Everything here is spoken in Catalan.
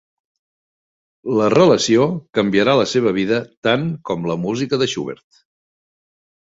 La relació canviarà la seva vida tant com la música de Schubert.